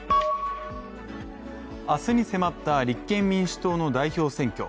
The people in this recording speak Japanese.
明日に迫った立憲民主党の代表選挙